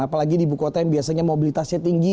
apalagi di ibu kota yang biasanya mobilitasnya tinggi